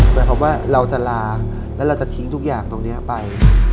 หมายความว่าเราจะลาแล้วเราจะทิ้งทุกอย่างตรงนี้ไป